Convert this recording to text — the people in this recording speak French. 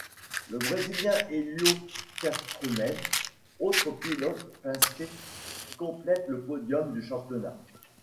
Le brésilien Hélio Castroneves, autre pilote Penske, complète le podium du championnat.